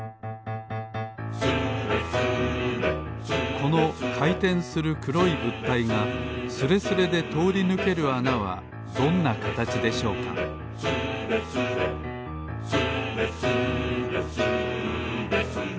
このかいてんするくろいぶったいがスレスレでとおりぬけるあなはどんなかたちでしょうか「スレスレ」「スレスレスーレスレ」